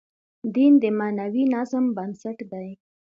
دین د معنوي نظم بنسټ دی.